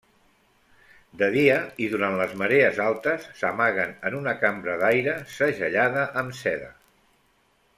De dia i durant les marees altes s'amaguen en una cambra d'aire segellada amb seda.